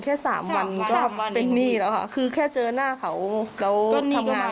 แค่สามวันก็เป็นหนี้แล้วค่ะคือแค่เจอหน้าเขาแล้วทำงาน